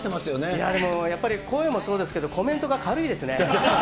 いやでも、やっぱり声もそうですけど、コメントが軽いですね。